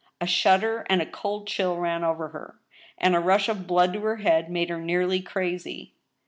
A shudder and a cold chill ran over her, and a rush of blood to her head made her nearly crazy.